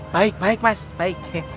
baik baik mas baik